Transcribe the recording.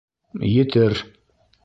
— Етер!